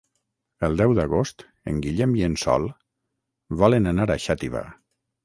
El deu d'agost en Guillem i en Sol volen anar a Xàtiva.